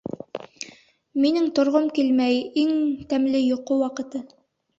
Минең торғом килмәй, иң тәмле йоҡо ваҡыты!